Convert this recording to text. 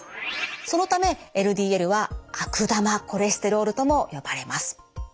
そのためＬＤＬは悪玉コレステロールとも呼ばれます。